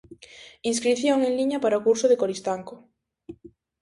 Inscrición en liña para o curso de Coristanco.